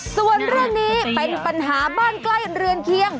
ส่วนเรื่องนี้เป็นปัญหาบ้านใกล้เรือนเคียง